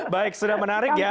baik sudah menarik ya